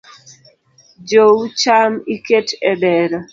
Jou cham iket e dero.